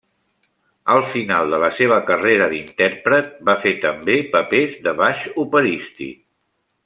Al final de la seva carrera d'intèrpret va fer també papers de baix operístic.